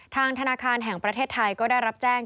ธนาคารแห่งประเทศไทยก็ได้รับแจ้ง